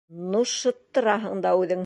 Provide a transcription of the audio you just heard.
— Ну, шыттыраһың да үҙең.